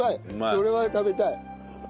それは食べたい。